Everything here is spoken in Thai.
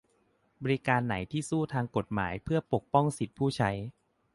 บริการไหนที่สู้ทางกฎหมายเพื่อปกป้องสิทธิผู้ใช้